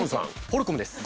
ホルコムです。